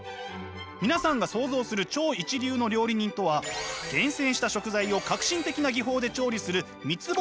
皆さんが想像する超一流の料理人とは厳選した食材を革新的な技法で調理する三つ星